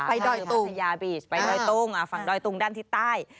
ไปดอยตูงฝั่งดอยตูงด้านที่ใต้